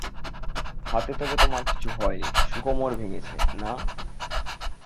হাতে তবে তোমার কিছু হয়নি, শুধু কোমর ভেঙেছে, না?